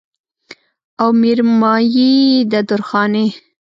او مېرمايي يې د درخانۍ